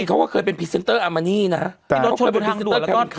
พี่ฮอร์ดโชนเป็นพรีเซ็นเตอร์แฮปวินคายนะ